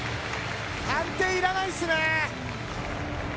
判定いらないっすね。